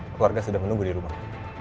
keluarga sudah menunggu di rumah